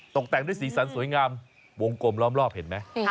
แต่งด้วยสีสันสวยงามวงกลมล้อมรอบเห็นไหม